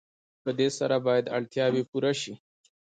په دې سره باید اړتیاوې پوره شي.